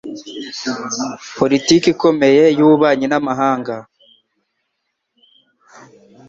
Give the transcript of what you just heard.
Politiki ikomeye y’ububanyi n’amahanga.